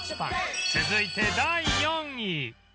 続いて第４位